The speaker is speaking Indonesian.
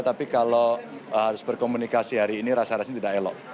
tapi kalau harus berkomunikasi hari ini rasa rasanya tidak elok